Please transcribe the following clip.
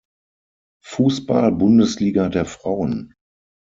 Fußball-Bundesliga der Frauen.